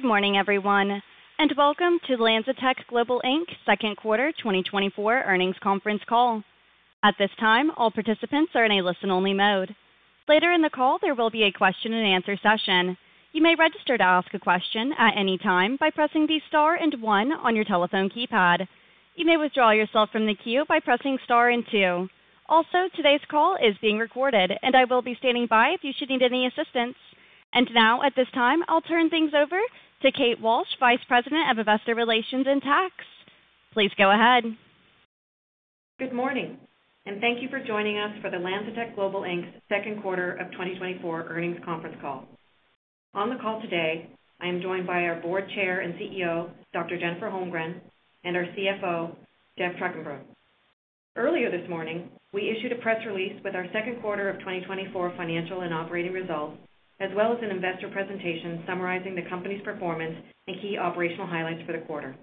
Good morning, everyone, and welcome to LanzaTech Global Inc's second quarter 2024 earnings conference call. At this time, all participants are in a listen-only mode. Later in the call, there will be a question-and-answer session. You may register to ask a question at any time by pressing the star and one on your telephone keypad. You may withdraw yourself from the queue by pressing star and two. Also, today's call is being recorded, and I will be standing by if you should need any assistance. Now, at this time, I'll turn things over to Kate Walsh, Vice President of Investor Relations and Tax. Please go ahead. Good morning, and thank you for joining us for the LanzaTech Global Inc's second quarter of 2024 earnings conference call. On the call today, I am joined by our Board Chair and CEO, Dr. Jennifer Holmgren, and our CFO, Geoff Trukenbrod. Earlier this morning, we issued a press release with our second quarter of 2024 financial and operating results, as well as an investor presentation summarizing the company's performance and key operational highlights for the quarter.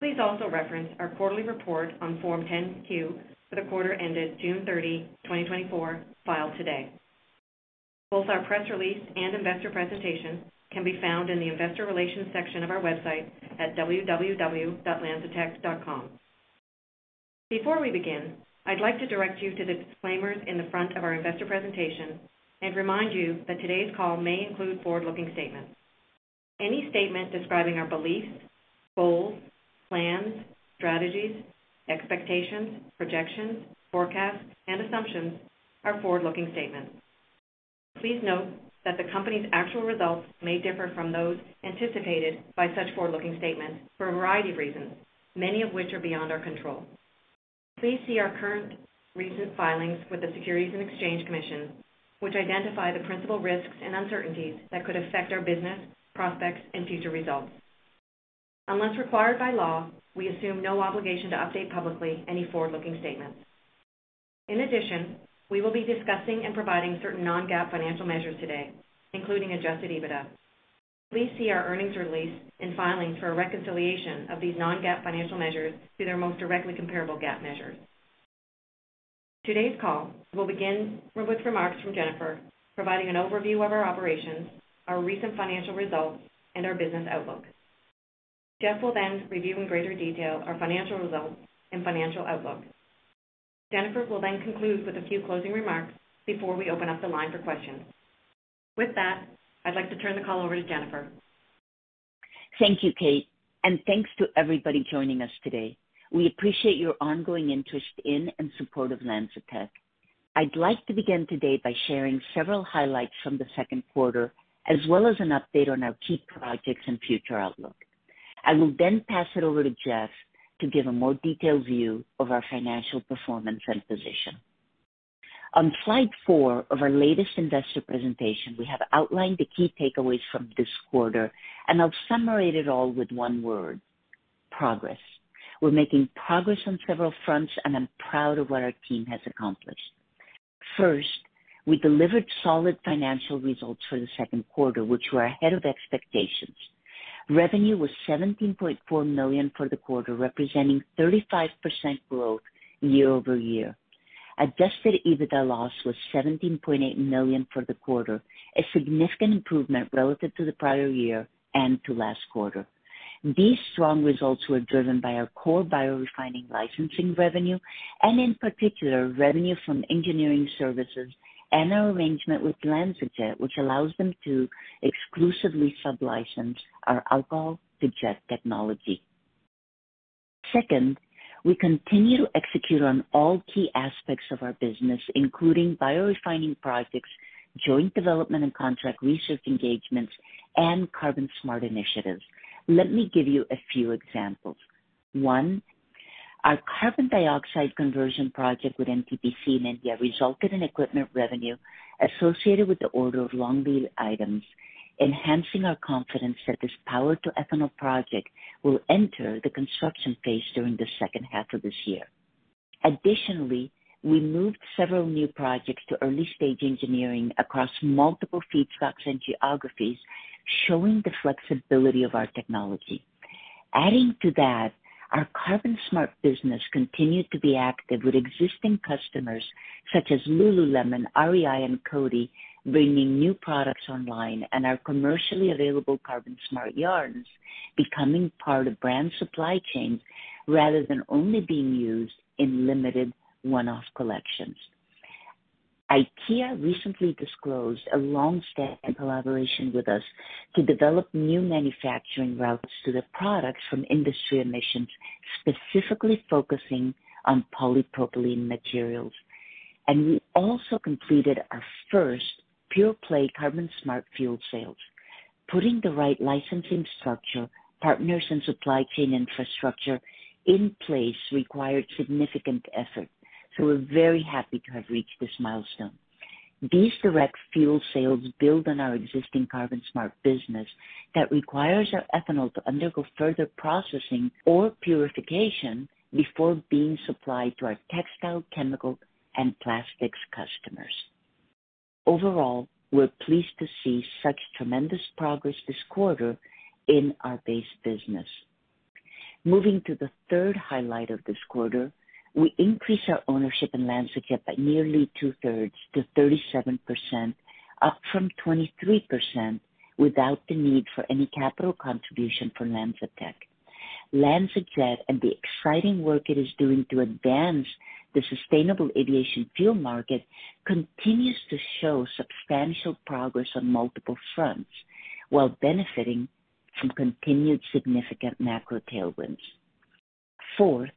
Please also reference our quarterly report on Form 10-Q for the quarter ended June 30, 2024, filed today. Both our press release and investor presentation can be found in the Investor Relations section of our website at www.lanzatech.com. Before we begin, I'd like to direct you to the disclaimers in the front of our investor presentation and remind you that today's call may include forward-looking statements. Any statement describing our beliefs, goals, plans, strategies, expectations, projections, forecasts, and assumptions are forward-looking statements. Please note that the company's actual results may differ from those anticipated by such forward-looking statements for a variety of reasons, many of which are beyond our control. Please see our current recent filings with the Securities and Exchange Commission, which identify the principal risks and uncertainties that could affect our business, prospects, and future results. Unless required by law, we assume no obligation to update publicly any forward-looking statements. In addition, we will be discussing and providing certain non-GAAP financial measures today, including Adjusted EBITDA. Please see our earnings release and filings for a reconciliation of these non-GAAP financial measures to their most directly comparable GAAP measures. Today's call will begin with remarks from Jennifer, providing an overview of our operations, our recent financial results, and our business outlook. Geoff will then review in greater detail our financial results and financial outlook. Jennifer will then conclude with a few closing remarks before we open up the line for questions. With that, I'd like to turn the call over to Jennifer. Thank you, Kate, and thanks to everybody joining us today. We appreciate your ongoing interest in and support of LanzaTech. I'd like to begin today by sharing several highlights from the second quarter, as well as an update on our key projects and future outlook. I will then pass it over to Geoff to give a more detailed view of our financial performance and position. On slide 4 of our latest investor presentation, we have outlined the key takeaways from this quarter, and I'll summarize it all with one word: progress. We're making progress on several fronts, and I'm proud of what our team has accomplished. First, we delivered solid financial results for the second quarter, which were ahead of expectations. Revenue was $17.4 million for the quarter, representing 35% growth year-over-year. Adjusted EBITDA loss was $17.8 million for the quarter, a significant improvement relative to the prior year and to last quarter. These strong results were driven by our core biorefining licensing revenue and, in particular, revenue from engineering services and our arrangement with LanzaJet, which allows them to exclusively sublicense our alcohol-to-jet technology. Second, we continue to execute on all key aspects of our business, including biorefining projects, joint development and contract research engagements, and CarbonSmart initiatives. Let me give you a few examples. One, our carbon dioxide conversion project with NTPC in India resulted in equipment revenue associated with the order of long lead items, enhancing our confidence that this power-to-ethanol project will enter the construction phase during the second half of this year. Additionally, we moved several new projects to early-stage engineering across multiple feedstocks and geographies, showing the flexibility of our technology. Adding to that, our CarbonSmart business continued to be active with existing customers such as Lululemon, REI, and Coty, bringing new products online and our commercially available CarbonSmart yarns becoming part of brand supply chains rather than only being used in limited one-off collections. IKEA recently disclosed a long-standing collaboration with us to develop new manufacturing routes to the products from industry emissions, specifically focusing on polypropylene materials. We also completed our first pure-play CarbonSmart fuel sales. Putting the right licensing structure, partners, and supply chain infrastructure in place required significant effort, so we're very happy to have reached this milestone. These direct fuel sales build on our existing CarbonSmart business that requires our ethanol to undergo further processing or purification before being supplied to our textile, chemical, and plastics customers. Overall, we're pleased to see such tremendous progress this quarter in our base business. Moving to the third highlight of this quarter, we increased our ownership in LanzaJet by nearly two-thirds to 37%, up from 23%, without the need for any capital contribution from LanzaTech. LanzaJet and the exciting work it is doing to advance the sustainable aviation fuel market continues to show substantial progress on multiple fronts, while benefiting from continued significant macro tailwinds. Fourth,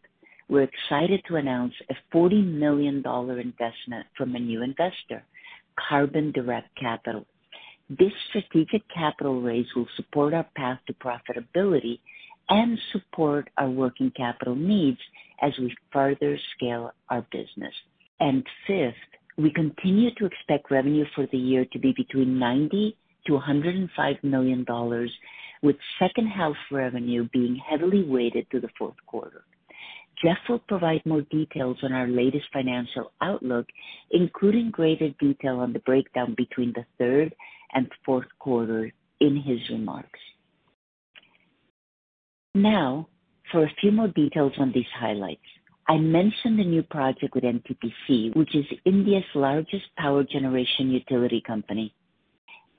we're excited to announce a $40 million investment from a new investor, Carbon Direct Capital. This strategic capital raise will support our path to profitability and support our working capital needs as we further scale our business. And fifth, we continue to expect revenue for the year to be between $90 million-$105 million, with second-half revenue being heavily weighted to the fourth quarter. Geoff will provide more details on our latest financial outlook, including greater detail on the breakdown between the third and fourth quarter, in his remarks. Now, for a few more details on these highlights. I mentioned the new project with NTPC, which is India's largest power generation utility company.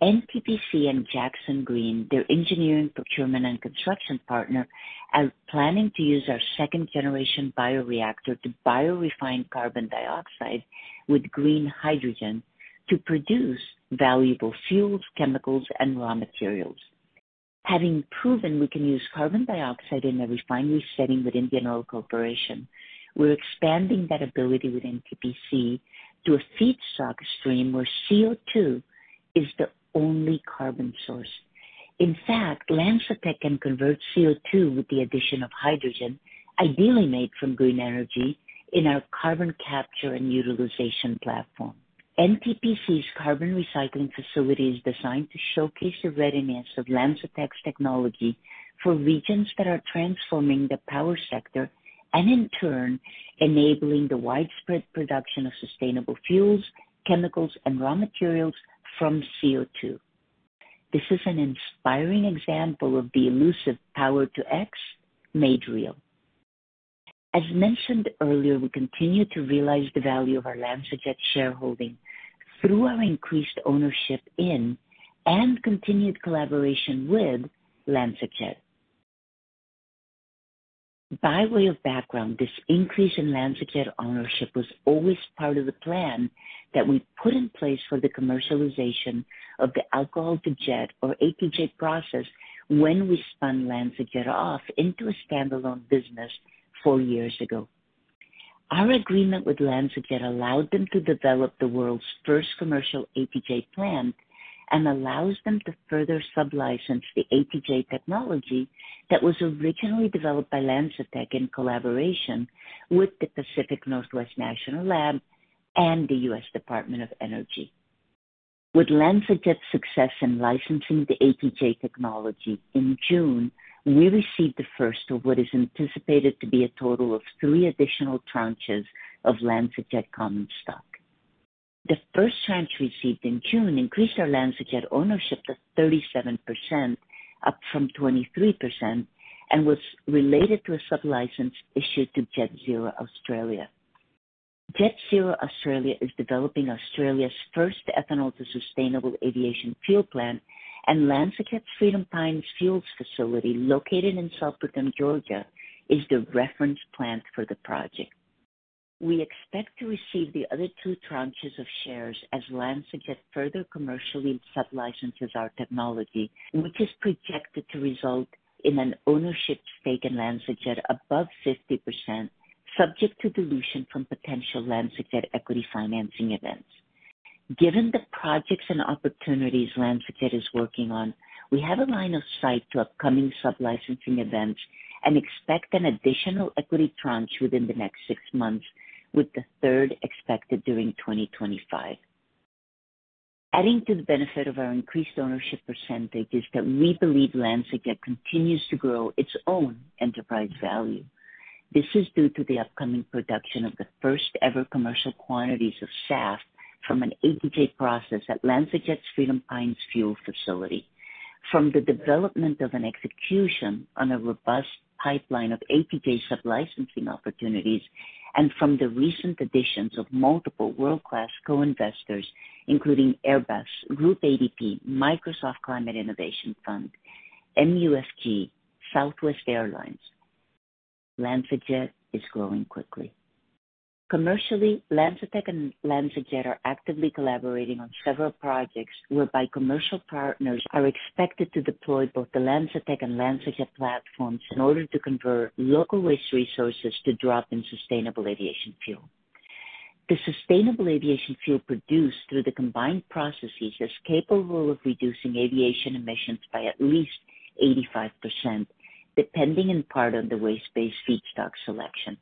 NTPC and Jakson Green, their engineering, procurement, and construction partner, are planning to use our second-generation bioreactor to biorefine carbon dioxide with green hydrogen to produce valuable fuels, chemicals, and raw materials. Having proven we can use carbon dioxide in a refinery setting with Indian Oil Corporation, we're expanding that ability with NTPC to a feedstock stream where CO2 is the only carbon source. In fact, LanzaTech can convert CO2 with the addition of hydrogen, ideally made from green energy, in our carbon capture and utilization platform. NTPC's carbon recycling facility is designed to showcase the readiness of LanzaTech's technology for regions that are transforming the power sector and, in turn, enabling the widespread production of sustainable fuels, chemicals, and raw materials from CO2. This is an inspiring example of the elusive Power to X made real. As mentioned earlier, we continue to realize the value of our LanzaJet shareholding through our increased ownership in and continued collaboration with LanzaJet. By way of background, this increase in LanzaJet ownership was always part of the plan that we put in place for the commercialization of the alcohol-to-jet, or ATJ, process when we spun LanzaJet off into a standalone business four years ago. Our agreement with LanzaJet allowed them to develop the world's first commercial ATJ plant and allows them to further sublicense the ATJ technology that was originally developed by LanzaTech in collaboration with the Pacific Northwest National Lab and the U.S. Department of Energy. With LanzaJet's success in licensing the ATJ technology, in June, we received the first of what is anticipated to be a total of three additional tranches of LanzaJet common stock. The first tranche received in June increased our LanzaJet ownership to 37%, up from 23%, and was related to a sublicense issued to Jet Zero Australia. Jet Zero Australia is developing Australia's first ethanol to sustainable aviation fuel plant, and LanzaJet's Freedom Pines Fuels facility, located in Soperton, Georgia, is the reference plant for the project. We expect to receive the other two tranches of shares as LanzaJet further commercially sublicenses our technology, which is projected to result in an ownership stake in LanzaJet above 50%, subject to dilution from potential LanzaJet equity financing events. Given the projects and opportunities LanzaJet is working on, we have a line of sight to upcoming sublicensing events and expect an additional equity tranche within the next six months, with the third expected during 2025. Adding to the benefit of our increased ownership percentage is that we believe LanzaJet continues to grow its own enterprise value. This is due to the upcoming production of the first-ever commercial quantities of SAF from an ATJ process at LanzaJet's Freedom Pines Fuels facility. From the development of an execution on a robust pipeline of ATJ sublicensing opportunities and from the recent additions of multiple world-class co-investors, including Airbus, Groupe ADP, Microsoft Climate Innovation Fund, MUFG, Southwest Airlines, LanzaJet is growing quickly. Commercially, LanzaTech and LanzaJet are actively collaborating on several projects whereby commercial partners are expected to deploy both the LanzaTech and LanzaJet platforms in order to convert local waste resources to drop in sustainable aviation fuel. The sustainable aviation fuel produced through the combined processes is capable of reducing aviation emissions by at least 85%, depending in part on the waste-based feedstock selection.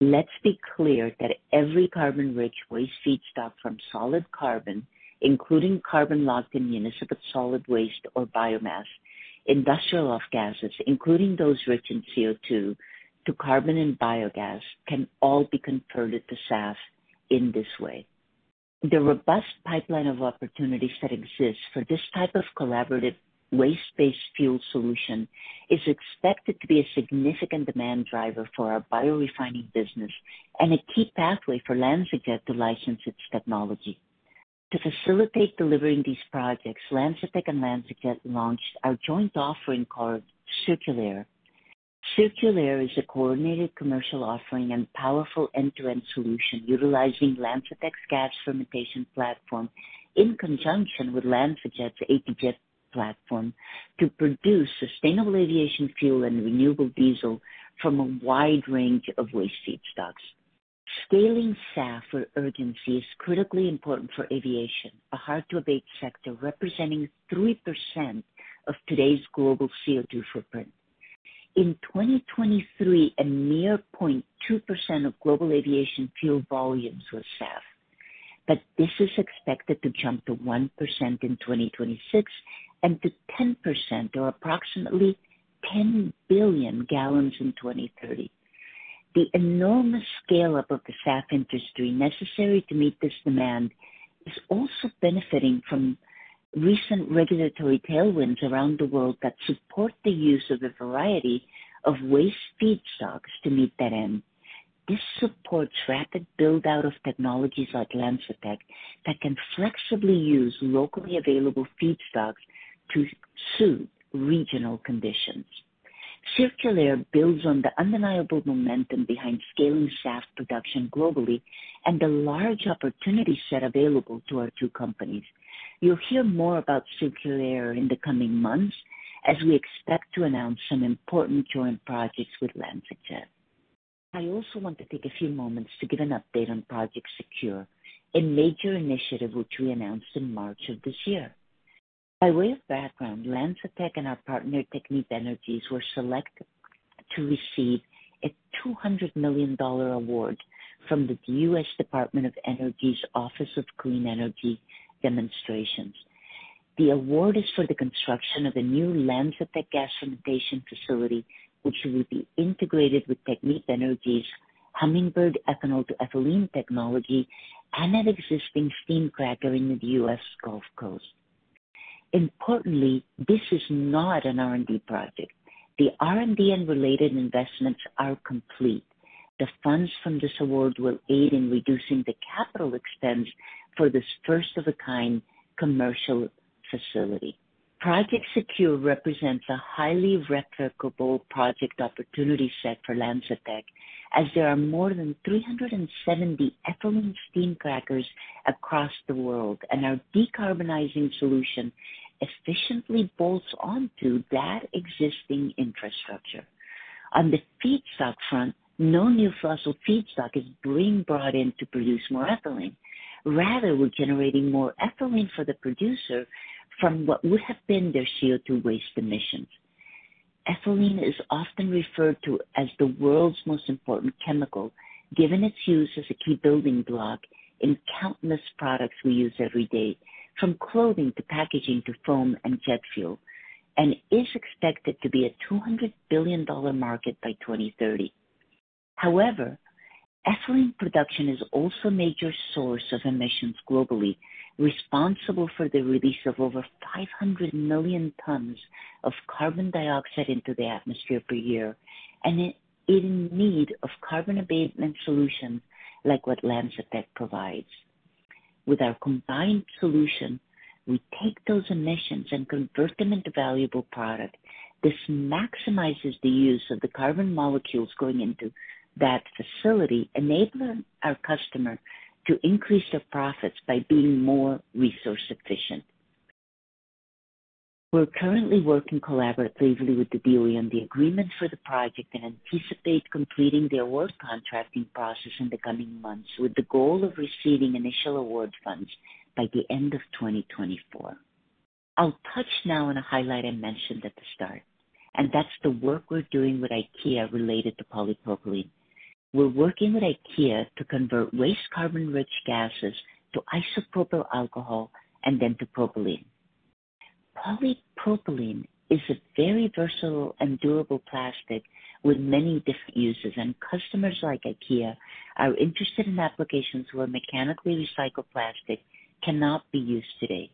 Let's be clear that every carbon-rich waste feedstock from solid carbon, including carbon locked in municipal solid waste or biomass, industrial off-gases, including those rich in CO2, to carbon and biogas, can all be converted to SAF in this way. The robust pipeline of opportunities that exists for this type of collaborative waste-based fuel solution is expected to be a significant demand driver for our biorefining business and a key pathway for LanzaJet to license its technology. To facilitate delivering these projects, LanzaTech and LanzaJet launched our joint offering called CirculAir. CirculAir is a coordinated commercial offering and powerful end-to-end solution utilizing LanzaTech's gas fermentation platform in conjunction with LanzaJet's ATJ platform to produce sustainable aviation fuel and renewable diesel from a wide range of waste feedstocks. Scaling SAF with urgency is critically important for aviation, a hard-to-abate sector representing 3% of today's global CO2 footprint. In 2023, a mere 0.2% of global aviation fuel volumes were SAF, but this is expected to jump to 1% in 2026 and to 10%, or approximately 10 billion gallons, in 2030. The enormous scale-up of the SAF industry necessary to meet this demand is also benefiting from recent regulatory tailwinds around the world that support the use of a variety of waste feedstocks to meet that end. This supports rapid build-out of technologies like LanzaTech that can flexibly use locally available feedstocks to suit regional conditions. CirculAir builds on the undeniable momentum behind scaling SAF production globally and the large opportunity set available to our two companies. You'll hear more about CirculAir in the coming months as we expect to announce some important joint projects with LanzaJet. I also want to take a few moments to give an update on Project SECURE, a major initiative which we announced in March of this year. By way of background, LanzaTech and our partner, Technip Energies, were selected to receive a $200 million award from the U.S. Department of Energy's Office of Clean Energy Demonstrations. The award is for the construction of a new LanzaTech gas fermentation facility, which will be integrated with Technip Energies' Hummingbird ethanol-to-ethylene technology and an existing steam cracker in the U.S. Gulf Coast. Importantly, this is not an R&D project. The R&D and related investments are complete. The funds from this award will aid in reducing the capital expense for this first-of-a-kind commercial facility. Project SECURE represents a highly replicable project opportunity set for LanzaTech, as there are more than 370 ethylene steam crackers across the world, and our decarbonizing solution efficiently bolts onto that existing infrastructure. On the feedstock front, no new fossil feedstock is being brought in to produce more ethylene. Rather, we're generating more ethylene for the producer from what would have been their CO2 waste emissions. Ethylene is often referred to as the world's most important chemical, given its use as a key building block in countless products we use every day, from clothing to packaging to foam and jet fuel, and is expected to be a $200 billion market by 2030. However, ethylene production is also a major source of emissions globally, responsible for the release of over 500 million tons of carbon dioxide into the atmosphere per year, and in need of carbon abatement solutions like what LanzaTech provides. With our combined solution, we take those emissions and convert them into valuable product. This maximizes the use of the carbon molecules going into that facility, enabling our customer to increase their profits by being more resource efficient. We're currently working collaboratively with the DOE on the agreement for the project and anticipate completing the award contracting process in the coming months, with the goal of receiving initial award funds by the end of 2024. I'll touch now on a highlight I mentioned at the start, and that's the work we're doing with IKEA related to polypropylene. We're working with IKEA to convert waste carbon-rich gases to isopropyl alcohol and then to propylene. Polypropylene is a very versatile and durable plastic with many different uses, and customers like IKEA are interested in applications where mechanically recycled plastic cannot be used today.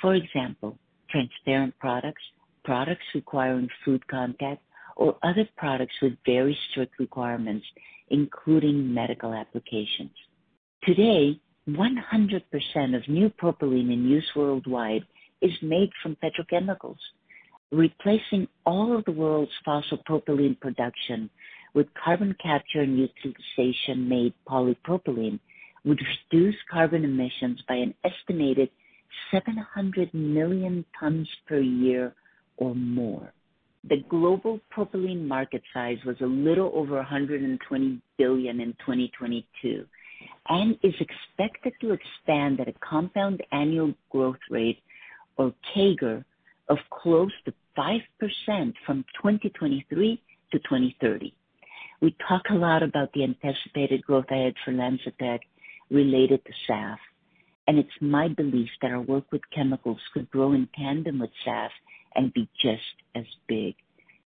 For example, transparent products, products requiring food contact, or other products with very strict requirements, including medical applications. Today, 100% of new propylene in use worldwide is made from petrochemicals. Replacing all of the world's fossil propylene production with carbon capture and utilization-made polypropylene would reduce carbon emissions by an estimated 700 million tons per year or more. The global propylene market size was a little over $120 billion in 2022 and is expected to expand at a compound annual growth rate, or CAGR, of close to 5% from 2023 to 2030. We talk a lot about the anticipated growth ahead for LanzaTech related to SAF, and it's my belief that our work with chemicals could grow in tandem with SAF and be just as big.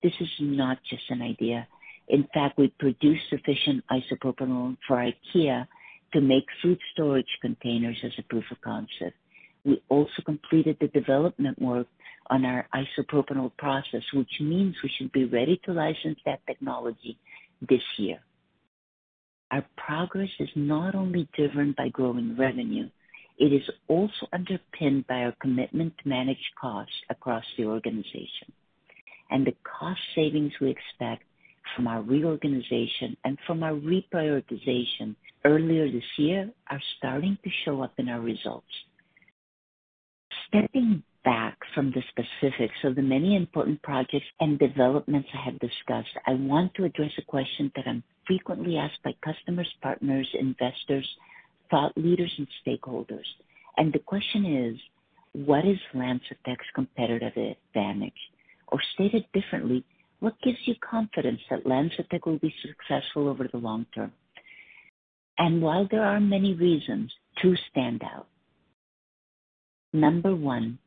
This is not just an idea. In fact, we produce sufficient isopropanol for IKEA to make food storage containers as a proof of concept. We also completed the development work on our isopropanol process, which means we should be ready to license that technology this year. Our progress is not only driven by growing revenue, it is also underpinned by our commitment to manage costs across the organization, and the cost savings we expect from our reorganization and from our reprioritization earlier this year are starting to show up in our results. Stepping back from the specifics of the many important projects and developments I have discussed, I want to address a question that I'm frequently asked by customers, partners, investors, thought leaders, and stakeholders. The question is: What is LanzaTech's competitive advantage? Or stated differently, what gives you confidence that LanzaTech will be successful over the long term? While there are many reasons, two stand out. Number 1,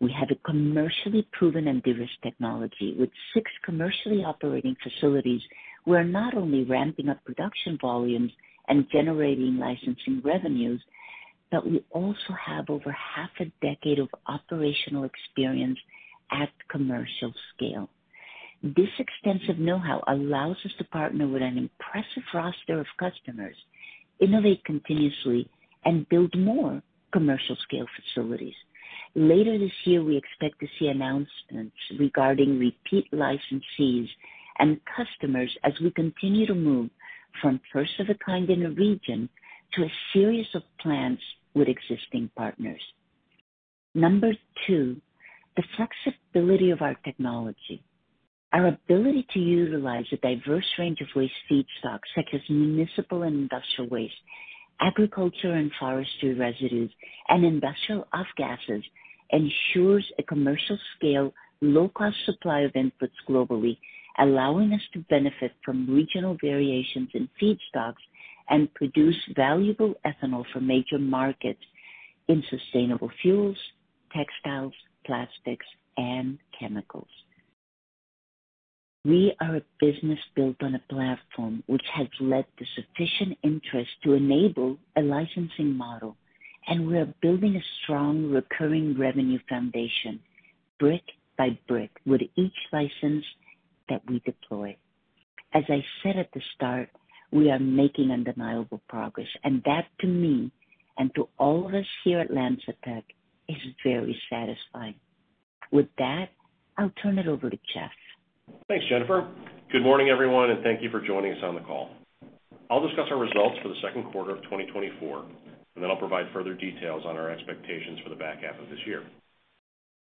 we have a commercially proven and diverse technology. With six commercially operating facilities, we are not only ramping up production volumes and generating licensing revenues, but we also have over half a decade of operational experience at commercial scale. This extensive know-how allows us to partner with an impressive roster of customers, innovate continuously, and build more commercial scale facilities. Later this year, we expect to see announcements regarding repeat licensees and customers as we continue to move from first of a kind in a region to a series of plants with existing partners. Number two, the flexibility of our technology. Our ability to utilize a diverse range of waste feedstocks, such as municipal and industrial waste, agriculture and forestry residues, and industrial off-gases, ensures a commercial scale, low-cost supply of inputs globally, allowing us to benefit from regional variations in feedstocks and produce valuable ethanol for major markets in sustainable fuels, textiles, plastics, and chemicals. We are a business built on a platform which has led to sufficient interest to enable a licensing model, and we are building a strong recurring revenue foundation, brick by brick, with each license that we deploy. As I said at the start, we are making undeniable progress, and that to me and to all of us here at LanzaTech, is very satisfying. With that, I'll turn it over to Geoff. Thanks, Jennifer. Good morning, everyone, and thank you for joining us on the call. I'll discuss our results for the second quarter of 2024, and then I'll provide further details on our expectations for the back half of this year.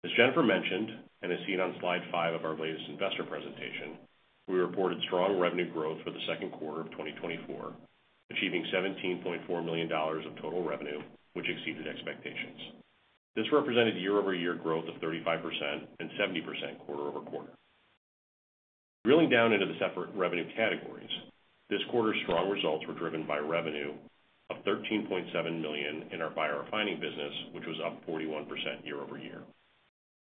As Jennifer mentioned, and as seen on slide 5 of our latest investor presentation, we reported strong revenue growth for the second quarter of 2024, achieving $17.4 million of total revenue, which exceeded expectations. This represented year-over-year growth of 35% and 70% quarter-over-quarter. Drilling down into the separate revenue categories, this quarter's strong results were driven by revenue of $13.7 million in our biorefining business, which was up 41% year-over-year.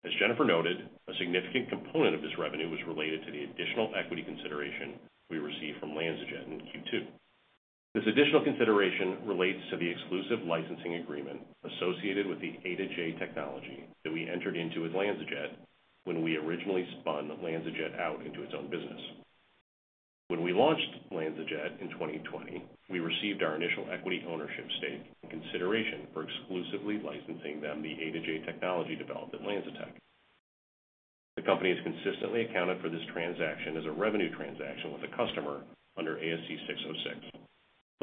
As Jennifer noted, a significant component of this revenue was related to the additional equity consideration we received from LanzaJet in Q2. This additional consideration relates to the exclusive licensing agreement associated with the ATJ technology that we entered into with LanzaJet when we originally spun LanzaJet out into its own business. When we launched LanzaJet in 2020, we received our initial equity ownership stake in consideration for exclusively licensing them the ATJ technology developed at LanzaTech. The company has consistently accounted for this transaction as a revenue transaction with a customer under ASC 606.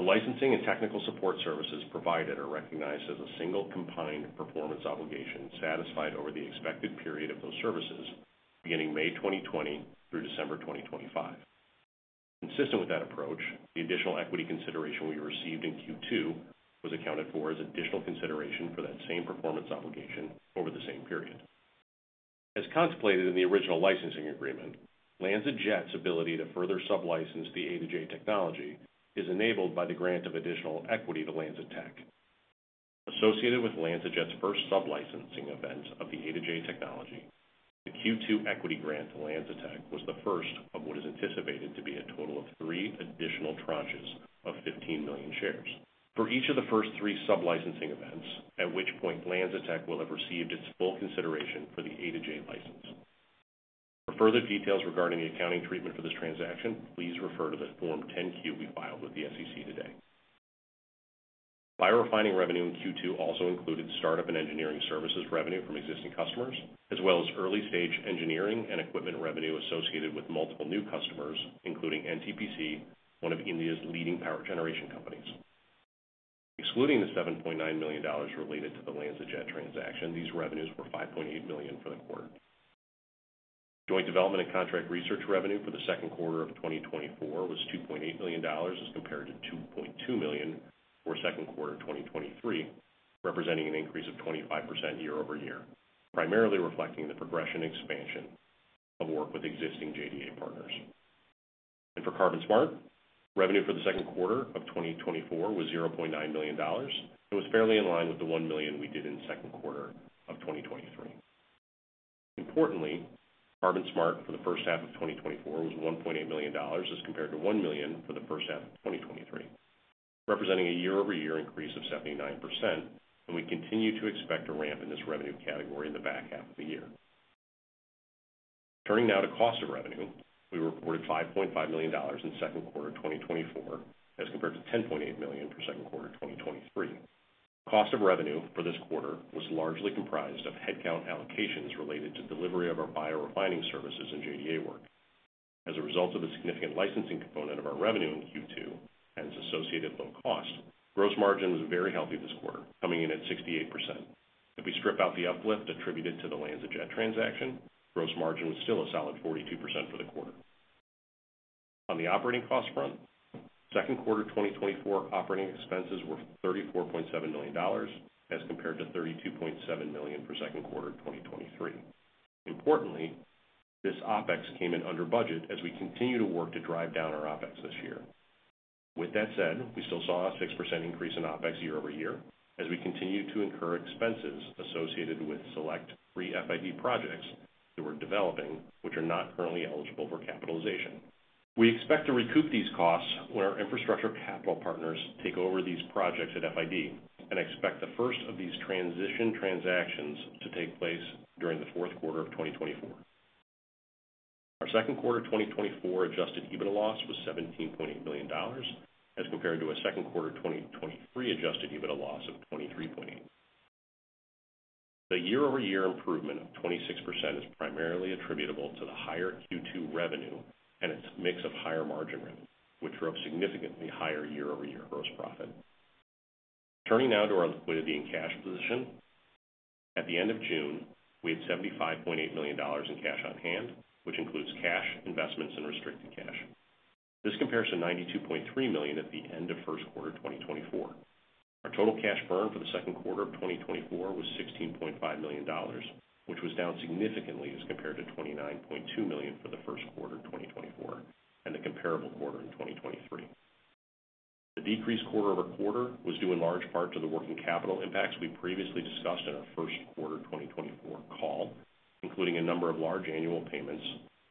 The licensing and technical support services provided are recognized as a single combined performance obligation, satisfied over the expected period of those services beginning May 2020 through December 2025. Consistent with that approach, the additional equity consideration we received in Q2 was accounted for as additional consideration for that same performance obligation over the same period. As contemplated in the original licensing agreement, LanzaJet's ability to further sublicense the ATJ technology is enabled by the grant of additional equity to LanzaTech. Associated with LanzaJet's first sublicensing event of the ATJ technology, the Q2 equity grant to LanzaTech was the first of what is anticipated to be a total of three additional tranches of 15 million shares. For each of the first three sublicensing events, at which point LanzaTech will have received its full consideration for the ATJ license. For further details regarding the accounting treatment for this transaction, please refer to the Form 10-Q we filed with the SEC today. Biorefining revenue in Q2 also included startup and engineering services revenue from existing customers, as well as early stage engineering and equipment revenue associated with multiple new customers, including NTPC, one of India's leading power generation companies. Excluding the $7.9 million related to the LanzaJet transaction, these revenues were $5.8 million for the quarter. Joint development and contract research revenue for the second quarter of 2024 was $2.8 million, as compared to $2.2 million for second quarter of 2023, representing an increase of 25% year-over-year, primarily reflecting the progression expansion of work with existing JDA partners. For CarbonSmart, revenue for the second quarter of 2024 was $0.9 million. It was fairly in line with the $1 million we did in the second quarter of 2023. Importantly, CarbonSmart for the first half of 2024 was $1.8 million, as compared to $1 million for the first half of 2023, representing a year-over-year increase of 79%, and we continue to expect a ramp in this revenue category in the back half of the year. Turning now to cost of revenue, we reported $5.5 million in second quarter 2024, as compared to $10.8 million for second quarter 2023. Cost of revenue for this quarter was largely comprised of headcount allocations related to delivery of our biorefining services and JDA work. As a result of a significant licensing component of our revenue in Q2 and its associated low cost, gross margin was very healthy this quarter, coming in at 68%. If we strip out the uplift attributed to the LanzaJet transaction, gross margin was still a solid 42% for the quarter. On the operating cost front, second quarter 2024 operating expenses were $34.7 million, as compared to $32.7 million for second quarter 2023. Importantly, this OpEx came in under budget as we continue to work to drive down our OpEx this year. With that said, we still saw a 6% increase in OpEx year-over-year as we continued to incur expenses associated with select pre-FID projects that we're developing, which are not currently eligible for capitalization. We expect to recoup these costs when our infrastructure capital partners take over these projects at FID and expect the first of these transition transactions to take place during the fourth quarter of 2024. Our second quarter 2024 adjusted EBITDA loss was $17.8 million, as compared to a second quarter 2023 adjusted EBITDA loss of $23.8 million. The year-over-year improvement of 26% is primarily attributable to the higher Q2 revenue and its mix of higher margin revenue, which drove significantly higher year-over-year gross profit. Turning now to our liquidity and cash position. At the end of June, we had $75.8 million in cash on hand, which includes cash, investments, and restricted cash. This compares to $92.3 million at the end of first quarter 2024. Our total cash burn for the second quarter of 2024 was $16.5 million, which was down significantly as compared to $29.2 million for the first quarter of 2024 and the comparable quarter in 2023. The decreased quarter-over-quarter was due in large part to the working capital impacts we previously discussed in our first quarter 2024 call, including a number of large annual payments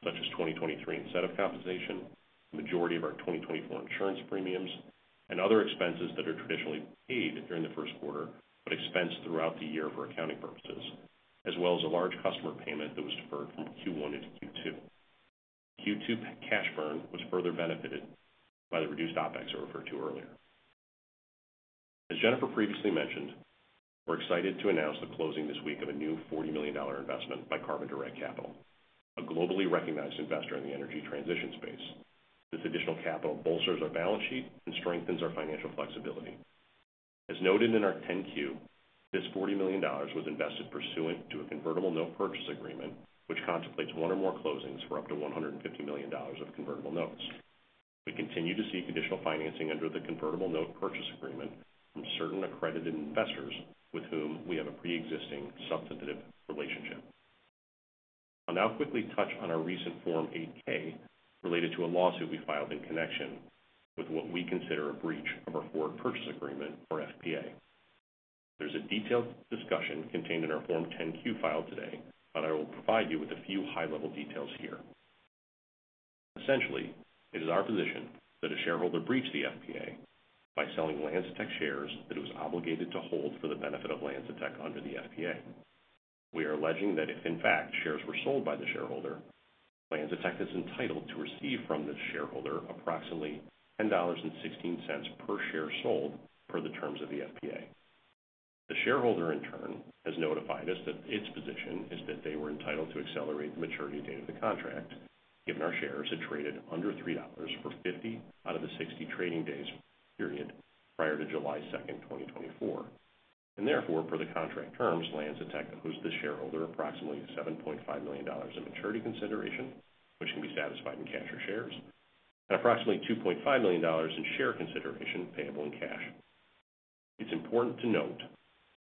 such as 2023 incentive compensation, the majority of our 2024 insurance premiums, and other expenses that are traditionally paid during the first quarter, but expensed throughout the year for accounting purposes, as well as a large customer payment that was deferred from Q1 into Q2. Q2 cash burn was further benefited by the reduced OpEx I referred to earlier. As Jennifer previously mentioned, we're excited to announce the closing this week of a new $40 million investment by Carbon Direct Capital, a globally recognized investor in the energy transition space. This additional capital bolsters our balance sheet and strengthens our financial flexibility. As noted in our 10-Q, this $40 million was invested pursuant to a convertible note purchase agreement, which contemplates one or more closings for up to $150 million of convertible notes. We continue to seek additional financing under the convertible note purchase agreement from certain accredited investors with whom we have a pre-existing substantive relationship. I'll now quickly touch on our recent Form 8-K related to a lawsuit we filed in connection with what we consider a breach of our forward purchase agreement, or FPA. There's a detailed discussion contained in our Form 10-Q filed today, but I will provide you with a few high-level details here. Essentially, it is our position that a shareholder breached the FPA by selling LanzaTech shares that it was obligated to hold for the benefit of LanzaTech under the FPA. We are alleging that if in fact, shares were sold by the shareholder, LanzaTech is entitled to receive from the shareholder approximately $10.16 per share sold per the terms of the FPA. The shareholder, in turn, has notified us that its position is that they were entitled to accelerate the maturity date of the contract, given our shares had traded under $3 for 50 out of the 60 trading days period prior to July 2, 2024. And therefore, per the contract terms, LanzaTech owes the shareholder approximately $7.5 million in maturity consideration, which can be satisfied in cash or shares, and approximately $2.5 million in share consideration payable in cash. It's important to note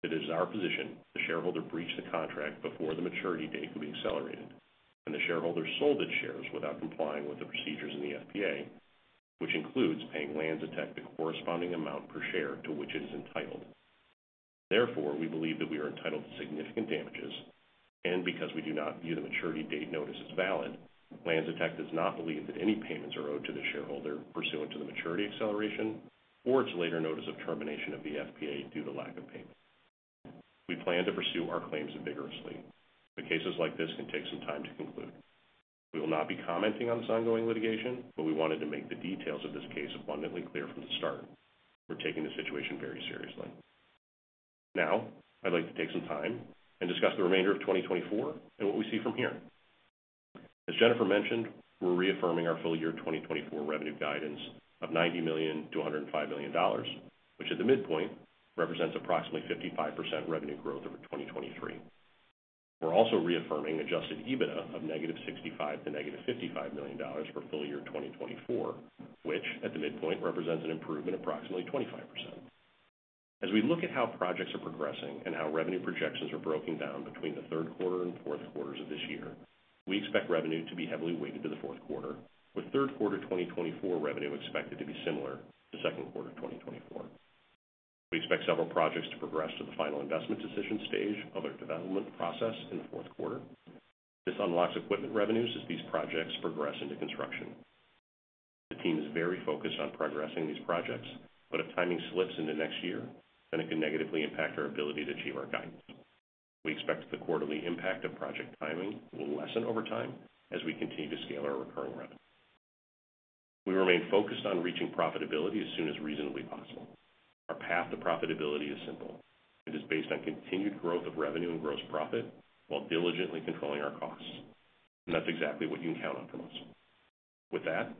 that it is our position the shareholder breached the contract before the maturity date could be accelerated, and the shareholder sold its shares without complying with the procedures in the FPA, which includes paying LanzaTech the corresponding amount per share to which it is entitled. Therefore, we believe that we are entitled to significant damages, and because we do not view the maturity date notice as valid, LanzaTech does not believe that any payments are owed to the shareholder pursuant to the maturity acceleration or its later notice of termination of the FPA due to lack of payment. We plan to pursue our claims vigorously, but cases like this can take some time to conclude. We will not be commenting on this ongoing litigation, but we wanted to make the details of this case abundantly clear from the start. We're taking the situation very seriously. Now, I'd like to take some time and discuss the remainder of 2024 and what we see from here. As Jennifer mentioned, we're reaffirming our full year 2024 revenue guidance of $90 million-$105 million, which at the midpoint represents approximately 55% revenue growth over 2023. We're also reaffirming adjusted EBITDA of -$65 million to -$55 million for full year 2024, which at the midpoint represents an improvement of approximately 25%. As we look at how projects are progressing and how revenue projections are broken down between the third quarter and fourth quarters of this year, we expect revenue to be heavily weighted to the fourth quarter, with third quarter 2024 revenue expected to be similar to second quarter 2024. We expect several projects to progress to the final investment decision stage of their development process in the fourth quarter. This unlocks equipment revenues as these projects progress into construction. The team is very focused on progressing these projects, but if timing slips into next year, then it can negatively impact our ability to achieve our guidance. We expect the quarterly impact of project timing will lessen over time as we continue to scale our recurring revenue. We remain focused on reaching profitability as soon as reasonably possible. Our path to profitability is simple. It is based on continued growth of revenue and gross profit, while diligently controlling our costs, and that's exactly what you can count on from us. With that,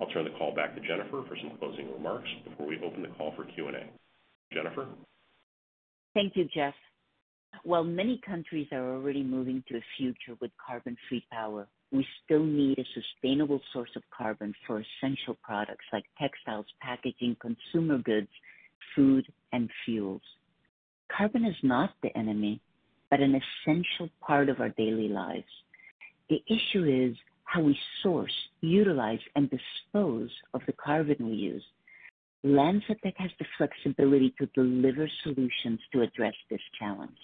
I'll turn the call back to Jennifer for some closing remarks before we open the call for Q&A. Jennifer? Thank you, Geoff. While many countries are already moving to a future with carbon-free power, we still need a sustainable source of carbon for essential products like textiles, packaging, consumer goods, food, and fuels. Carbon is not the enemy, but an essential part of our daily lives. The issue is how we source, utilize, and dispose of the carbon we use. LanzaTech has the flexibility to deliver solutions to address this challenge.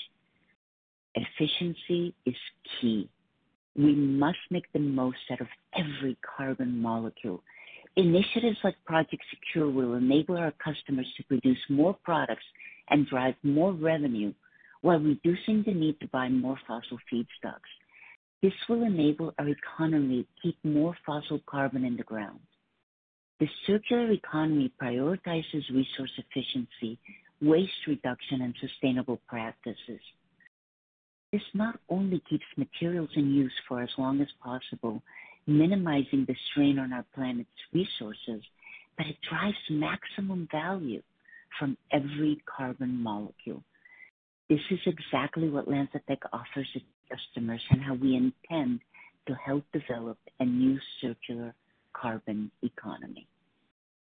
Efficiency is key. We must make the most out of every carbon molecule. Initiatives like Project SECURE will enable our customers to produce more products and drive more revenue, while reducing the need to buy more fossil feedstocks. This will enable our economy to keep more fossil carbon in the ground. The circular economy prioritizes resource efficiency, waste reduction, and sustainable practices. This not only keeps materials in use for as long as possible, minimizing the strain on our planet's resources, but it drives maximum value from every carbon molecule. This is exactly what LanzaTech offers its customers and how we intend to help develop a new circular carbon economy.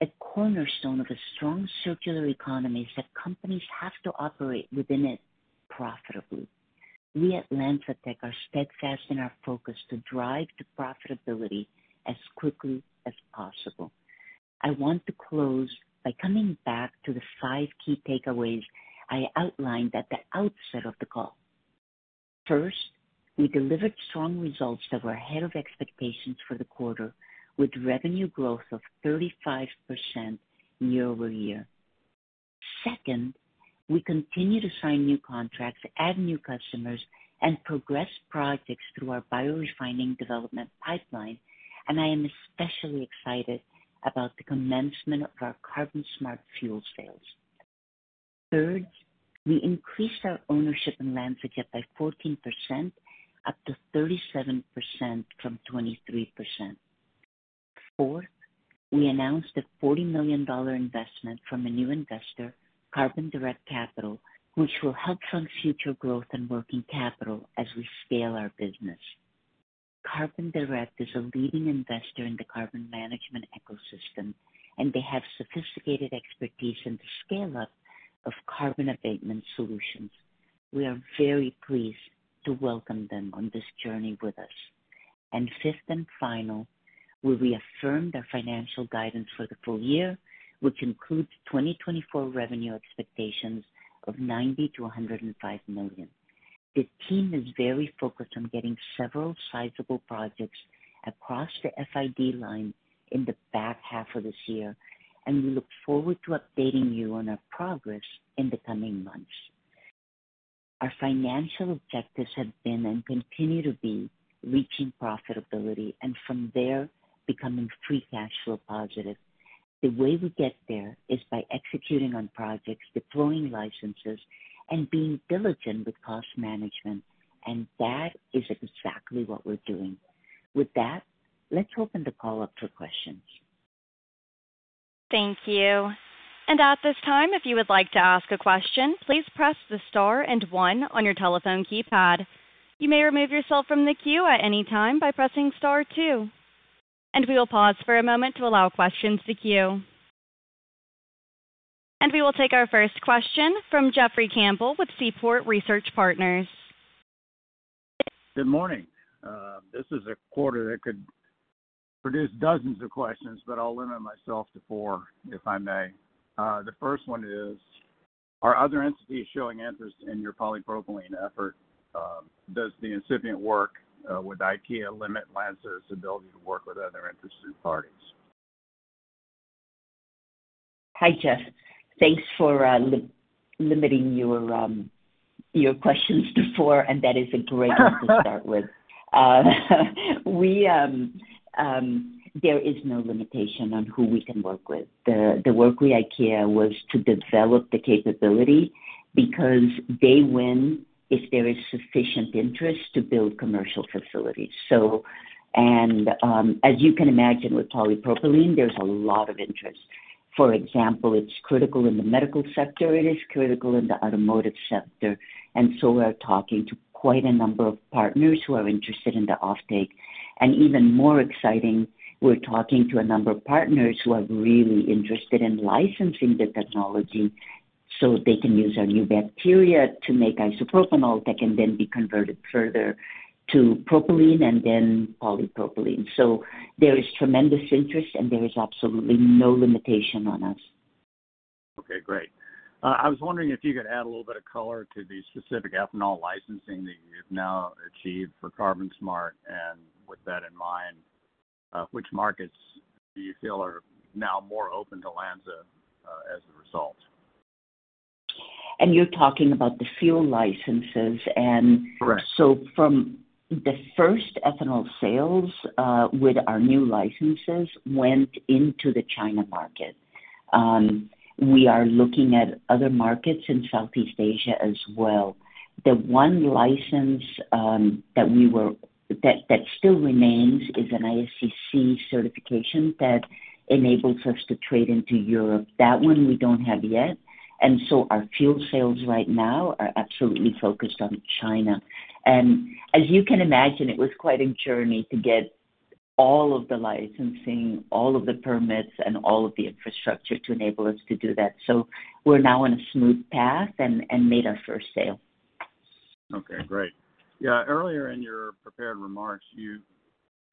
A cornerstone of a strong circular economy is that companies have to operate within it profitably. We at LanzaTech are steadfast in our focus to drive to profitability as quickly as possible. I want to close by coming back to the five key takeaways I outlined at the outset of the call. First, we delivered strong results that were ahead of expectations for the quarter, with revenue growth of 35% year-over-year. Second, we continue to sign new contracts, add new customers, and progress projects through our Biorefining development pipeline, and I am especially excited about the commencement of our CarbonSmart fuel sales. Third, we increased our ownership in LanzaJet by 14%, up to 37% from 23%. Fourth, we announced a $40 million investment from a new investor, Carbon Direct Capital, which will help fund future growth and working capital as we scale our business. Carbon Direct is a leading investor in the carbon management ecosystem, and they have sophisticated expertise in the scale-up of carbon abatement solutions. We are very pleased to welcome them on this journey with us. And fifth and final, we reaffirmed our financial guidance for the full year, which includes 2024 revenue expectations of $90 million-$105 million. The team is very focused on getting several sizable projects across the FID line in the back half of this year, and we look forward to updating you on our progress in the coming months. Our financial objectives have been, and continue to be, reaching profitability, and from there, becoming free cash flow positive. The way we get there is by executing on projects, deploying licenses, and being diligent with cost management, and that is exactly what we're doing. With that, let's open the call up for questions. Thank you. At this time, if you would like to ask a question, please press the star and one on your telephone keypad. You may remove yourself from the queue at any time by pressing star two, and we will pause for a moment to allow questions to queue. We will take our first question from Jeffrey Campbell with Seaport Research Partners. Good morning. This is a quarter that could produce dozens of questions, but I'll limit myself to four, if I may. The first one is: Are other entities showing interest in your polypropylene effort? Does the incipient work with IKEA limit Lanza's ability to work with other interested parties? Hi, Jeff. Thanks for limiting your questions to four, and that is a great place to start with. There is no limitation on who we can work with. The work with IKEA was to develop the capability because they win if there is sufficient interest to build commercial facilities. So, and, as you can imagine, with polypropylene, there's a lot of interest. For example, it's critical in the medical sector, it is critical in the automotive sector, and so we're talking to quite a number of partners who are interested in the offtake. And even more exciting, we're talking to a number of partners who are really interested in licensing the technology, so they can use our new bacteria to make isopropanol that can then be converted further to propylene and then polypropylene. There is tremendous interest, and there is absolutely no limitation on us. Okay, great. I was wondering if you could add a little bit of color to the specific ethanol licensing that you've now achieved for CarbonSmart, and with that in mind, which markets do you feel are now more open to Lanza, as a result? And you're talking about the fuel licenses and— Correct. So from the first ethanol sales with our new licenses, went into the China market. We are looking at other markets in Southeast Asia as well. The one license that still remains is an ISCC certification that enables us to trade into Europe. That one we don't have yet, and so our fuel sales right now are absolutely focused on China. And as you can imagine, it was quite a journey to get all of the licensing, all of the permits, and all of the infrastructure to enable us to do that. So we're now on a smooth path and made our first sale. Okay, great. Yeah, earlier in your prepared remarks, you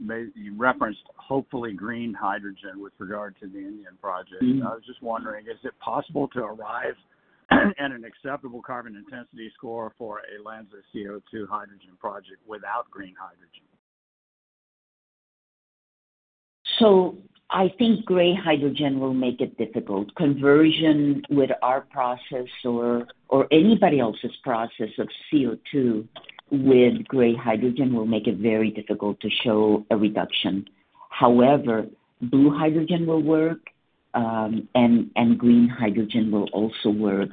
made... You referenced, hopefully, green hydrogen with regard to the Indian project. Mm-hmm. I was just wondering, is it possible to arrive at an acceptable carbon intensity score for a Lanza CO2 hydrogen project without green hydrogen? So I think gray hydrogen will make it difficult. Conversion with our process or anybody else's process of CO2 with gray hydrogen will make it very difficult to show a reduction. However, blue hydrogen will work, and green hydrogen will also work.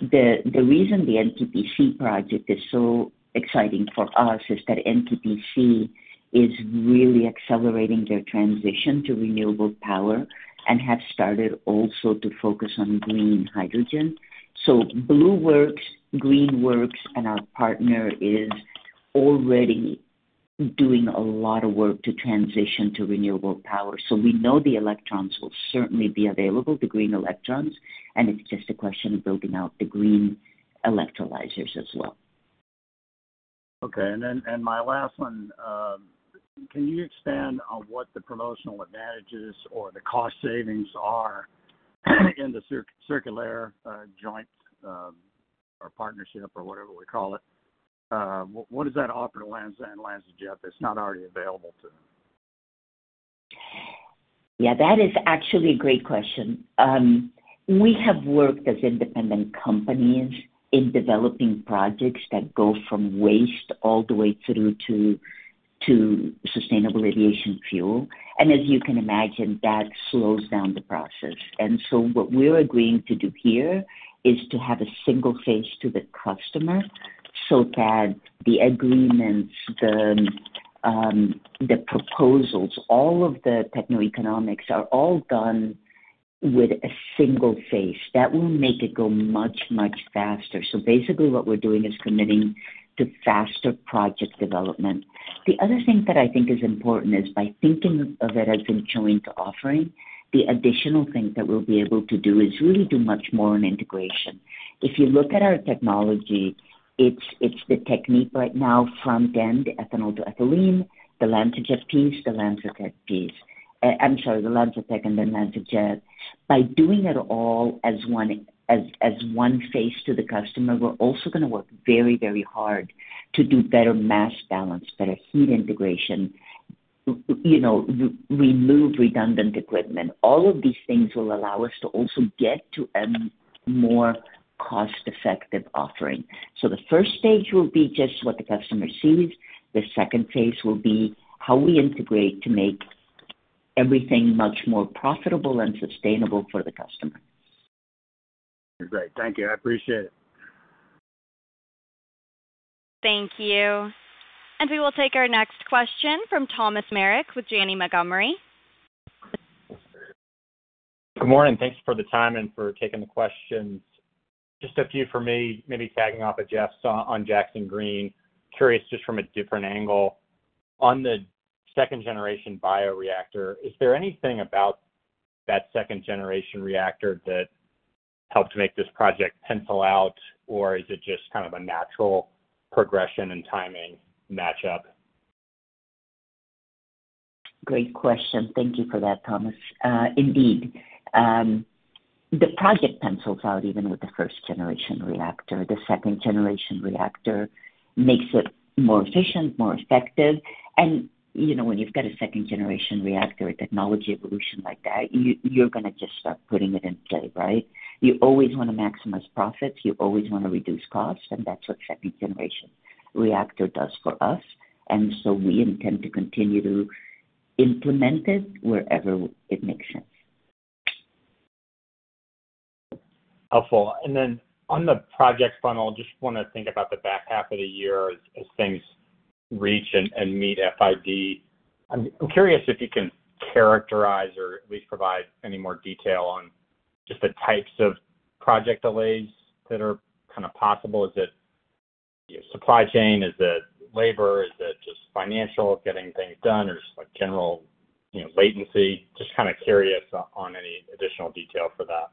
The reason the NTPC project is so exciting for us is that NTPC is really accelerating their transition to renewable power and have started also to focus on green hydrogen. So blue works, green works, and our partner is already doing a lot of work to transition to renewable power. So we know the electrons will certainly be available, the green electrons, and it's just a question of building out the green electrolyzers as well. Okay. Then my last one, can you expand on what the promotional advantages or the cost savings are in the CirculAir joint or partnership or whatever we call it? What does that offer Lanza and LanzaJet that's not already available to them? Yeah, that is actually a great question. We have worked as independent companies in developing projects that go from waste all the way through to sustainable aviation fuel. And as you can imagine, that slows down the process. And so what we're agreeing to do here is to have a single face to the customer so that the agreements, the proposals, all of the techno-economics are all done with a single face. That will make it go much, much faster. So basically, what we're doing is committing to faster project development. The other thing that I think is important is by thinking of it as a joint offering, the additional thing that we'll be able to do is really do much more on integration. If you look at our technology, it's the Technip right now from then to ethanol to ethylene, the LanzaJet piece, the LanzaTech piece. I'm sorry, the LanzaTech and then LanzaJet. By doing it all as one face to the customer, we're also gonna work very, very hard to do better mass balance, better heat integration, you know, remove redundant equipment. All of these things will allow us to also get to a more cost-effective offering. So the first phase will be just what the customer sees. The second phase will be how we integrate to make everything much more profitable and sustainable for the customer. Great. Thank you. I appreciate it. Thank you. We will take our next question from Thomas Merrick with Janney Montgomery. Good morning. Thanks for the time and for taking the questions. Just a few for me, maybe tagging off of Geoff's on Jakson Green. Curious, just from a different angle, on the second-generation bioreactor, is there anything about that second-generation reactor that helped make this project pencil out, or is it just kind of a natural progression and timing match up? Great question. Thank you for that, Thomas. Indeed, the project pencils out even with the first generation reactor. The second generation reactor makes it more efficient, more effective. And, you know, when you've got a second generation reactor, a technology evolution like that, you're gonna just start putting it in play, right? You always wanna maximize profits, you always wanna reduce costs, and that's what second generation reactor does for us, and so we intend to continue to implement it wherever it makes sense. Helpful. And then on the project funnel, just want to think about the back half of the year as things reach and meet FID. I'm curious if you can characterize or at least provide any more detail on just the types of project delays that are kind of possible. Is it your supply chain? Is it labor? Is it just financial, getting things done, or just like general, you know, latency? Just kind of curious on any additional detail for that.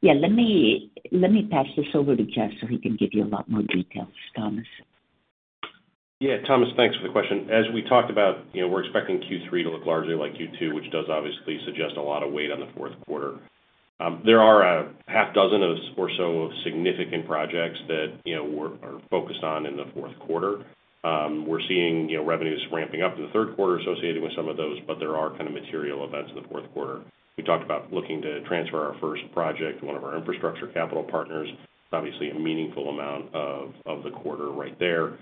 Yeah, let me, let me pass this over to Geoff so he can give you a lot more details, Thomas. Yeah, Thomas, thanks for the question. As we talked about, you know, we're expecting Q3 to look largely like Q2, which does obviously suggest a lot of weight on the fourth quarter. There are a half dozen or so significant projects that, you know, we're focused on in the fourth quarter. We're seeing, you know, revenues ramping up in the third quarter associated with some of those, but there are kind of material events in the fourth quarter. We talked about looking to transfer our first project, one of our infrastructure capital partners, obviously a meaningful amount of, of the quarter right there,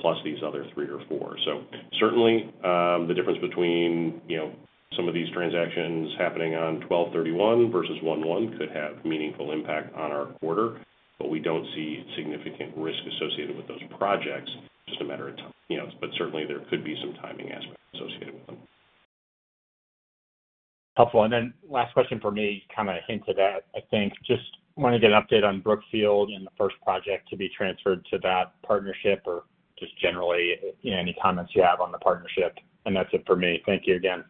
plus these other three or four. So certainly, the difference between, you know, some of these transactions happening on 12/31 versus 1/1 could have meaningful impact on our quarter, but we don't see significant risk associated with those projects. Just a matter of time, you know, but certainly there could be some timing aspects associated with them. Helpful. And then last question for me, kind of a hint to that, I think, just want to get an update on Brookfield and the first project to be transferred to that partnership, or just generally, any comments you have on the partnership. And that's it for me. Thank you again.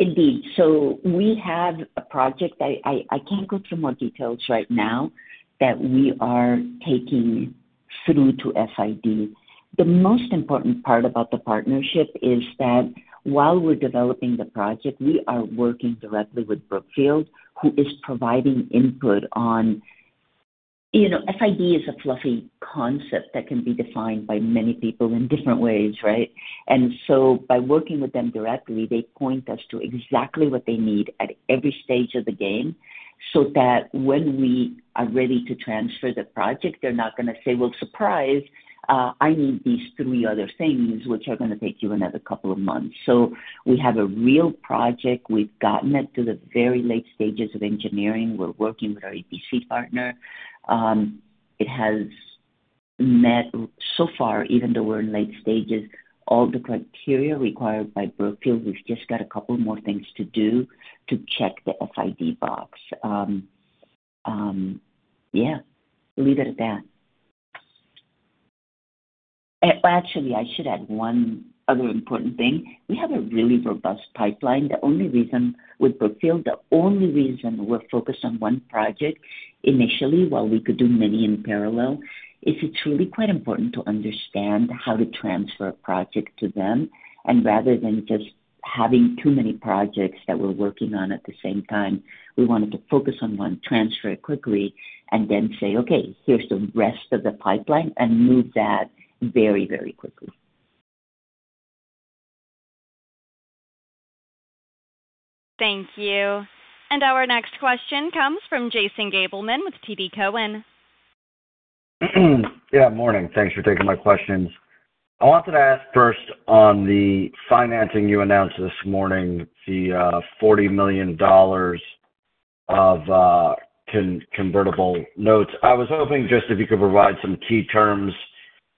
Indeed. So we have a project, I can't go through more details right now, that we are taking through to FID. The most important part about the partnership is that while we're developing the project, we are working directly with Brookfield, who is providing input on... You know, FID is a fluffy concept that can be defined by many people in different ways, right? And so by working with them directly, they point us to exactly what they need at every stage of the game, so that when we are ready to transfer the project, they're not going to say, "Well, surprise, I need these three other things which are going to take you another couple of months." So we have a real project. We've gotten it to the very late stages of engineering. We're working with our EPC partner. It has met so far, even though we're in late stages, all the criteria required by Brookfield. We've just got a couple more things to do to check the FID box. Yeah, we'll leave it at that. Actually, I should add one other important thing. We have a really robust pipeline. The only reason with Brookfield, the only reason we're focused on one project initially, while we could do many in parallel, is it's really quite important to understand how to transfer a project to them. And rather than just having too many projects that we're working on at the same time, we wanted to focus on one, transfer it quickly, and then say, "Okay, here's the rest of the pipeline," and move that very, very quickly. Thank you. Our next question comes from Jason Gabelman with TD Cowen. Yeah, morning. Thanks for taking my questions. I wanted to ask first on the financing you announced this morning, the $40 million of convertible notes. I was hoping just if you could provide some key terms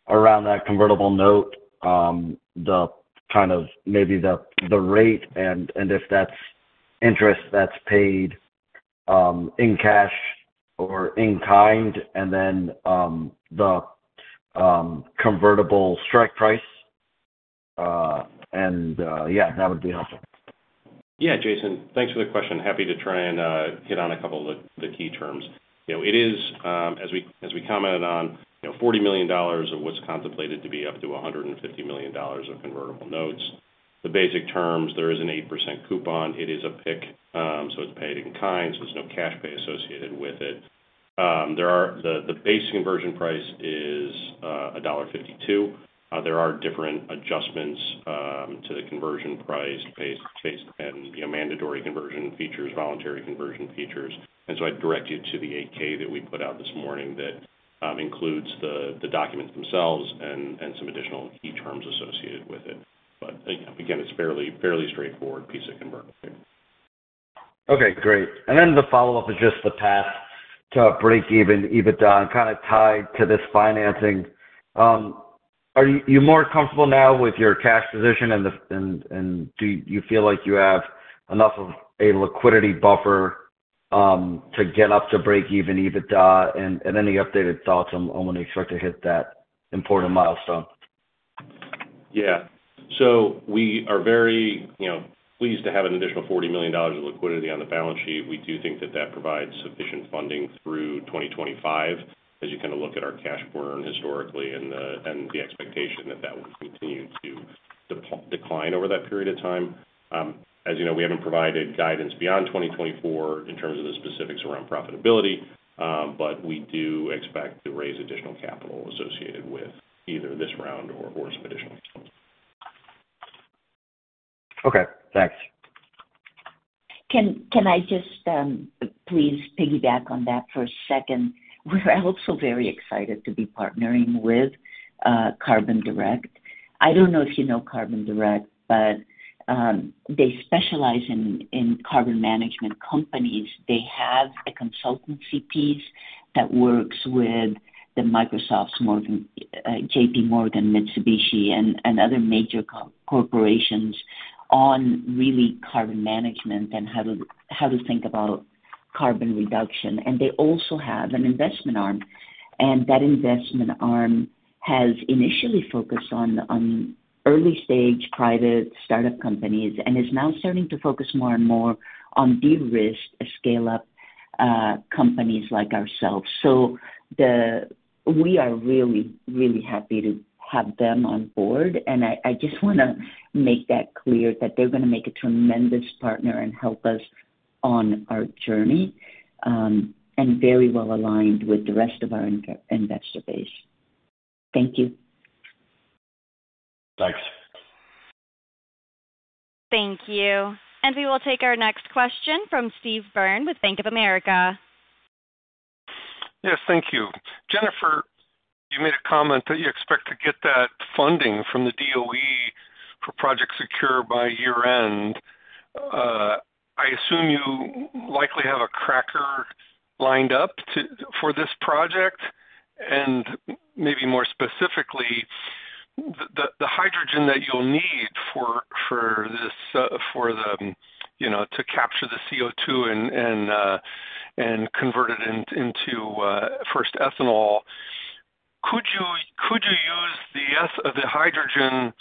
around that convertible note, the kind of maybe the rate and if that's interest that's paid in cash or in kind, and then the convertible strike price, and yeah, that would be helpful. Yeah, Jason, thanks for the question. Happy to try and hit on a couple of the key terms. You know, it is, as we commented on, you know, $40 million of what's contemplated to be up to $150 million of convertible notes. The basic terms, there is an 8% coupon. It is a PIK, so it's paid in kind, so there's no cash pay associated with it. There are the base conversion price is a $1.52. There are different adjustments to the conversion price, base and, you know, mandatory conversion features, voluntary conversion features. And so I'd direct you to the 8-K that we put out this morning that includes the documents themselves and some additional key terms associated with it. But, again, it's fairly, fairly straightforward piece of convertible. Okay, great. And then the follow-up is just the path to breakeven EBITDA and kind of tied to this financing. Are you more comfortable now with your cash position, and do you feel like you have enough of a liquidity buffer to get up to breakeven EBITDA? And any updated thoughts on when you expect to hit that important milestone? Yeah. So we are very, you know, pleased to have an additional $40 million of liquidity on the balance sheet. We do think that that provides sufficient funding through 2025, as you kind of look at our cash burn historically and the, and the expectation that that will continue to decline over that period of time. As you know, we haven't provided guidance beyond 2024 in terms of the specifics around profitability, but we do expect to raise additional capital associated with either this round or, or some additional ones. Okay, thanks. Can I just please piggyback on that for a second? We're also very excited to be partnering with Carbon Direct. I don't know if you know Carbon Direct, but they specialize in carbon management companies. They have a consultancy piece that works with the Microsofts, Morgan, J.P. Morgan, Mitsubishi, and other major corporations on really carbon management and how to think about carbon reduction. And they also have an investment arm, and that investment arm has initially focused on early-stage private startup companies and is now starting to focus more and more on de-risk scale-up companies like ourselves. So, we are really, really happy to have them on board, and I, I just want to make that clear that they're going to make a tremendous partner and help us on our journey, and very well aligned with the rest of our investor base. Thank you. Thanks. Thank you. And we will take our next question from Steve Byrne with Bank of America. Yes, thank you. Jennifer, you made a comment that you expect to get that funding from the DOE for Project SECURE by year-end. I assume you likely have a cracker lined up to, for this project, and maybe more specifically, the hydrogen that you'll need for, for this, you know, to capture the CO2 and convert it into first ethanol. Could you use the hydrogen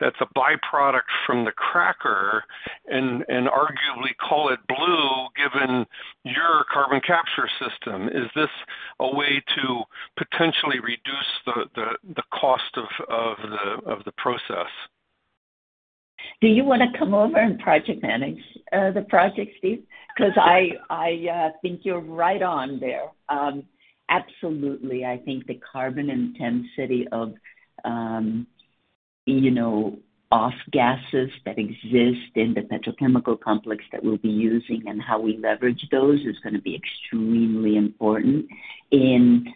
that's a byproduct from the cracker and arguably call it blue, given your carbon capture system? Is this a way to potentially reduce the cost of the process? Do you want to come over and project manage the project, Steve? Because I think you're right on there. Absolutely. I think the carbon intensity of you know, off-gases that exist in the petrochemical complex that we'll be using and how we leverage those is going to be extremely important in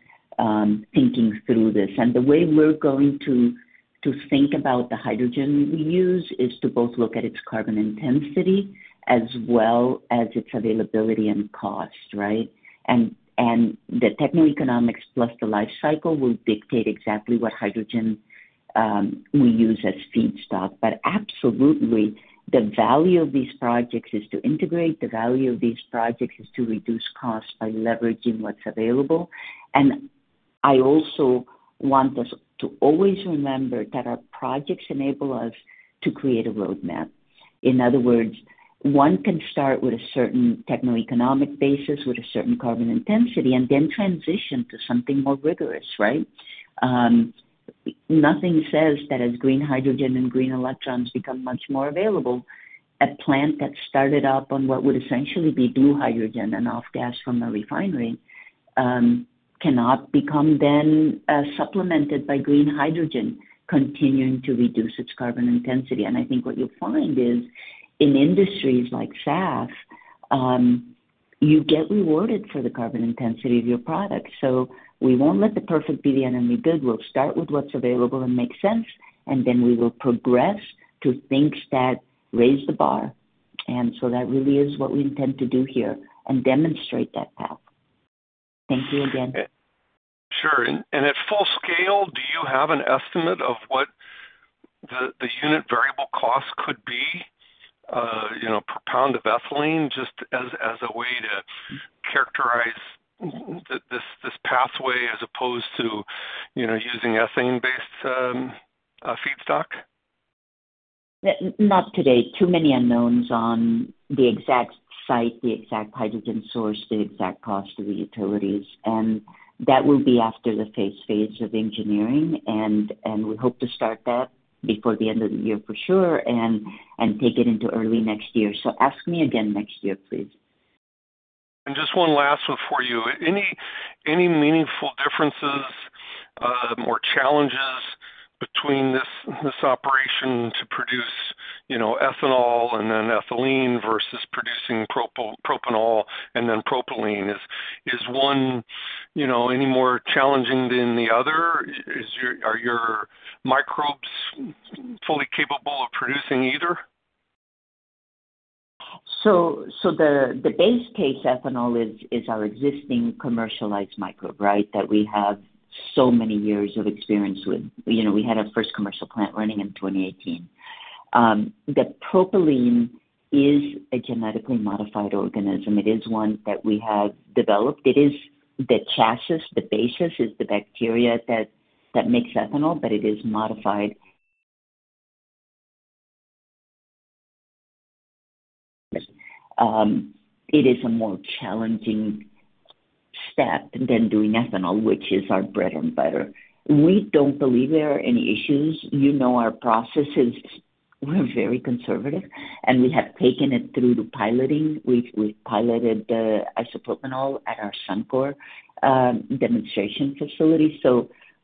thinking through this. And the way we're going to think about the hydrogen we use is to both look at its carbon intensity as well as its availability and cost, right? And the techno-economics plus the life cycle will dictate exactly what hydrogen we use as feedstock. But absolutely, the value of these projects is to integrate. The value of these projects is to reduce costs by leveraging what's available. And I also want us to always remember that our projects enable us to create a roadmap. In other words, one can start with a certain techno-economic basis, with a certain carbon intensity, and then transition to something more rigorous, right? Nothing says that as green hydrogen and green electrons become much more available, a plant that started up on what would essentially be blue hydrogen and off-gas from a refinery cannot become then supplemented by green hydrogen, continuing to reduce its carbon intensity. And I think what you'll find is in industries like SAF, you get rewarded for the carbon intensity of your product. So we won't let the perfect be the enemy of the good. We'll start with what's available and makes sense, and then we will progress to things that raise the bar. And so that really is what we intend to do here and demonstrate that path. Thank you again. Sure. And at full scale, do you have an estimate of what the unit variable cost could be, you know, per pound of ethylene, just as a way to characterize this pathway as opposed to, you know, using ethane-based feedstock? Not today. Too many unknowns on the exact site, the exact hydrogen source, the exact cost of the utilities, and that will be after the phase of engineering. And we hope to start that before the end of the year for sure, and take it into early next year. So ask me again next year, please. Just one last one for you. Any meaningful differences or challenges between this operation to produce, you know, ethanol and then ethylene versus producing propanol and then propylene? Is one any more challenging than the other? Are your microbes fully capable of producing either? So, the base case ethanol is our existing commercialized microbe, right? That we have so many years of experience with. You know, we had our first commercial plant running in 2018. The propylene is a genetically modified organism. It is one that we have developed. It is the chassis. The basis is the bacteria that makes ethanol, but it is modified. It is a more challenging step than doing ethanol, which is our bread and butter. We don't believe there are any issues. You know, our processes, we're very conservative, and we have taken it through the piloting. We've piloted the isopropanol at our Suncor demonstration facility,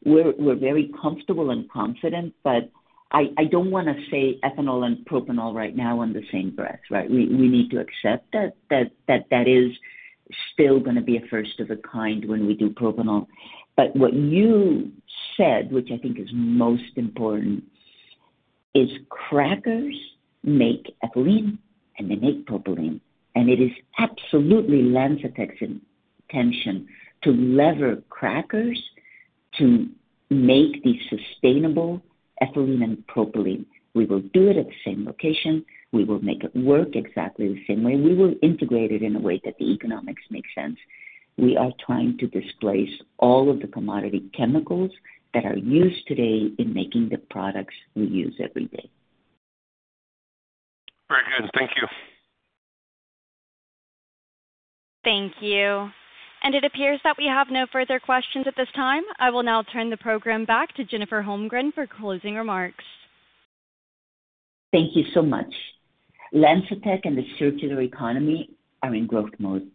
so we're very comfortable and confident, but I don't want to say ethanol and propanol right now on the same breath, right? We need to accept that is still going to be a first of a kind when we do propanol. But what you said, which I think is most important, is crackers make ethylene and they make propylene, and it is absolutely LanzaTech's intention to lever crackers to make these sustainable ethylene and propylene. We will do it at the same location. We will make it work exactly the same way. We will integrate it in a way that the economics make sense. We are trying to displace all of the commodity chemicals that are used today in making the products we use every day. Very good. Thank you. Thank you. It appears that we have no further questions at this time. I will now turn the program back to Jennifer Holmgren for closing remarks. Thank you so much. LanzaTech and the circular economy are in growth mode.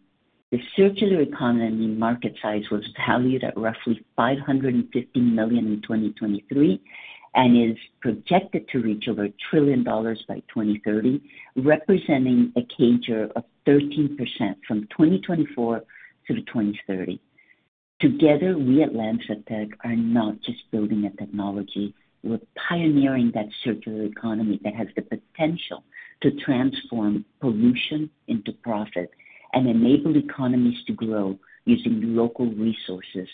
The circular economy market size was valued at roughly $550 million in 2023, and is projected to reach over $1 trillion by 2030, representing a CAGR of 13% from 2024 through to 2030. Together, we at LanzaTech are not just building a technology, we're pioneering that circular economy that has the potential to transform pollution into profit and enable economies to grow using local resources,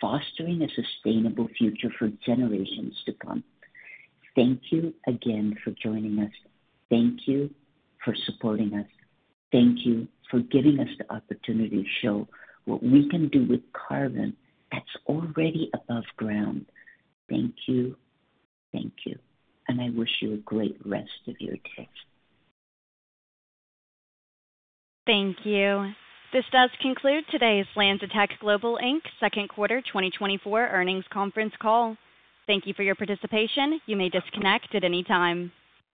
fostering a sustainable future for generations to come. Thank you again for joining us. Thank you for supporting us. Thank you for giving us the opportunity to show what we can do with carbon that's already above ground. Thank you. Thank you, and I wish you a great rest of your day. Thank you. This does conclude today's LanzaTech Global Inc. second quarter 2024 earnings conference call. Thank you for your participation. You may disconnect at any time.